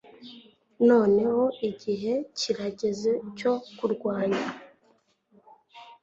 Noneho igihe kirageze cyo kurwanya